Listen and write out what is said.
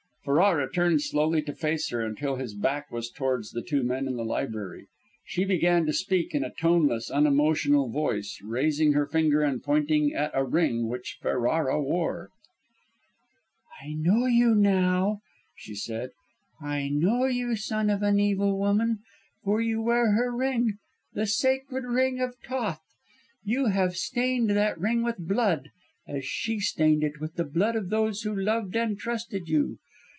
Ferrara turned slowly to face her, until his back was towards the two men in the library. She began to speak, in a toneless, unemotional voice, raising her finger and pointing at a ring which Ferrara wore. "I know you now," she said; "I know you, son of an evil woman, for you wear her ring, the sacred ring of Thoth. You have stained that ring with blood, as she stained it with the blood of those who loved and trusted you.